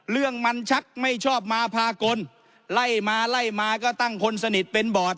เรื่องมันชักไม่ชอบมาพากลไล่มาไล่มาก็ตั้งคนสนิทเป็นบอร์ด